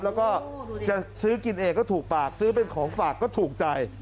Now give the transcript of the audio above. แล้วก็จะซื้อกินเองก็ถูกปากซื้อเป็นของฝากก็ถูกใจ